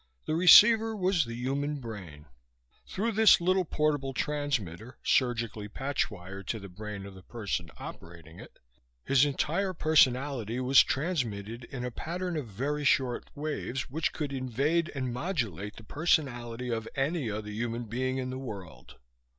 The "receiver" was the human brain. Through this little portable transmitter, surgically patch wired to the brain of the person operating it, his entire personality was transmitted in a pattern of very short waves which could invade and modulate the personality of any other human being in the world.